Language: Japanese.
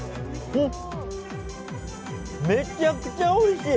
めちゃくちゃおいしい。